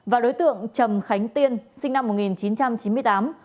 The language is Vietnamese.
và đối tượng trầm khánh tiên sinh năm một nghìn chín trăm chín mươi tám